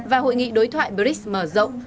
và hội nghị đối thoại brics mở rộng